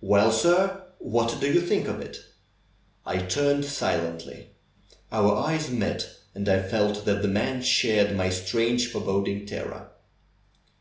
"Well, sir, what do you think of it?" I turned silently. Our eyes met and I felt that the man shared my strange foreboding terror.